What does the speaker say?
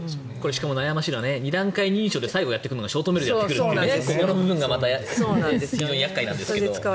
しかも悩ましいのが２段階認証で最後にやってくるのがショートメッセージでやってくるというここの部分が厄介なんですけど。